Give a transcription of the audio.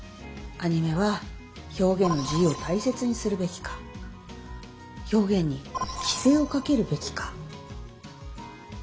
アニメは表現の自由を大切にするべきか表現に規制をかけるべきか。